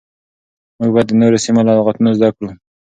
موږ بايد د نورو سيمو له لغتونو زده کړو.